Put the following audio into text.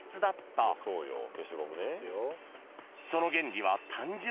［その原理は単純］